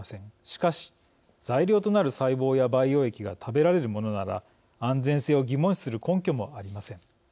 しかし、材料となる細胞や培養液が食べられるものなら安全性を疑問視する根拠もありません。